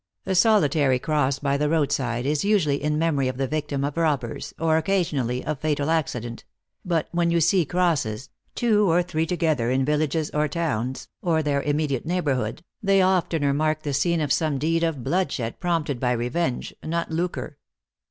A solitary cross by the roadside is usually in memory of the victim of robbers, or, occasionally, of fatal accident ; but when you see crosses, two or three together, in villages or towns, or their immediate neighborhood, they oftener mark the scene of some deed of bloodshed prompted by revenge, not lucre."